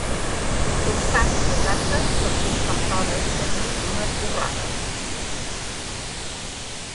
Substàncies aptes per ser escampades damunt d'una torrada.